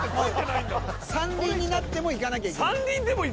三輪になっても行かなきゃいけない。